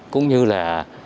cũng như là